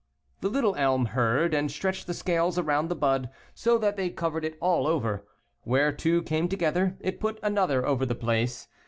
The little elm heard, and stretched the scales around the bud so that they covered it all over. Where two came together, it put another over the place.